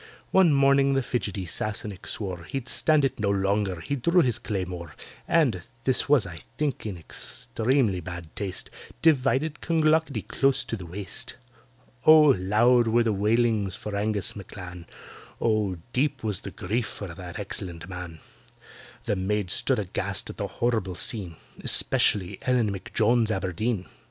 One morning the fidgety Sassenach swore He'd stand it no longer—he drew his claymore, And (this was, I think, in extremely bad taste) Divided CLONGLOCKETTY close to the waist. Oh! loud were the wailings for ANGUS M'CLAN, Oh! deep was the grief for that excellent man; The maids stood aghast at the horrible scene— Especially ELLEN M'JONES ABERDEEN.